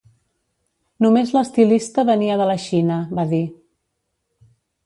Només l'estilista venia de la Xina, va dir.